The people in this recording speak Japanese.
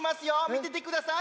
みててください。